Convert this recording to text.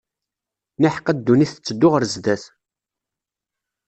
Niḥeqqa ddunit tetteddu ɣer zzat.